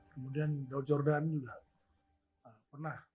kemudian daud jordan juga pernah